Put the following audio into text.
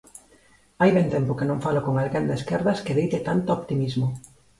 Hai ben tempo que non falo con alguén de esquerdas que deite tanto optimismo.